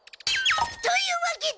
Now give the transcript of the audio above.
というわけで。